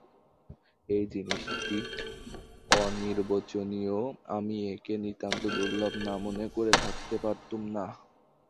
এই জিনিসটি অনির্বচনীয়, আমি একে নিতান্ত দুর্লভ না মনে করে থাকতে পারতুম না।